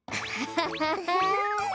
ハハハハ。